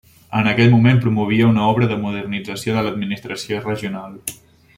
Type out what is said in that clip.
En aquell moment promovia una obra de modernització de l'administració regional.